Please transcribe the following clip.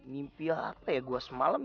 mimpi apa ya gua semalam